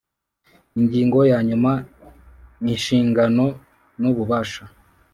Ingingo ya nyuma Inshingano n ububasha